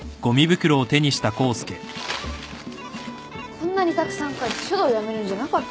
こんなにたくさん書いて書道やめるんじゃなかったの？